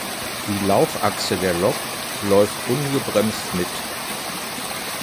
Die Laufachse der Lok läuft ungebremst mit.